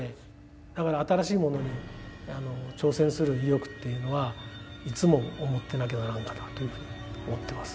だから新しいものに挑戦する意欲っていうのはいつも思ってなきゃならんかなというふうに思ってます。